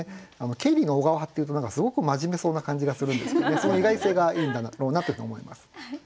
「経理の小川」っていうとすごく真面目そうな感じがするんですけどその意外性がいいんだろうなというふうに思います。